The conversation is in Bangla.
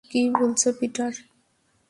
কী বলছ পিটার?